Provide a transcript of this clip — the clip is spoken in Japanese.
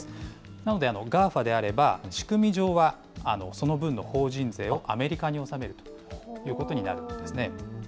なのでＧＡＦＡであれば、仕組み上はその分の法人税をアメリカに納めるということになるんですね。